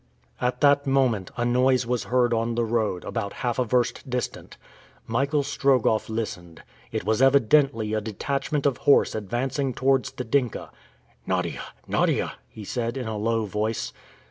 At that moment, a noise was heard on the road, about half a verst distant. Michael Strogoff listened. It was evidently a detachment of horse advancing towards the Dinka. "Nadia, Nadia!" he said in a low voice.